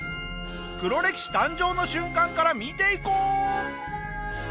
黒歴史誕生の瞬間から見ていこう！